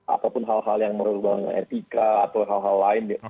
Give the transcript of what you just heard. ataupun hal hal yang merubah etika atau hal hal lain